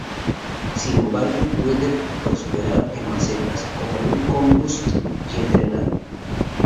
Sin embargo puede prosperar en macetas, con un "compost" bien drenado.